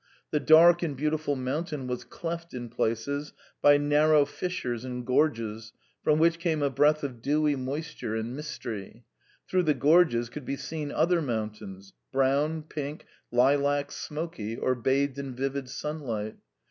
The dark and beautiful mountain was cleft in places by narrow fissures and gorges from which came a breath of dewy moisture and mystery; through the gorges could be seen other mountains, brown, pink, lilac, smoky, or bathed in vivid sunlight.